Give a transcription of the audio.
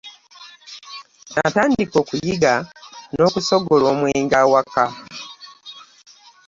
Natandika okuyigga n’okusogola omwenge awaka.